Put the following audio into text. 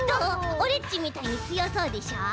オレっちみたいにつよそうでしょ？